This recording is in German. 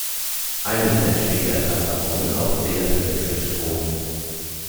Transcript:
Einige Zeit später erfand Aron auch einen Zähler für Wechselstrom.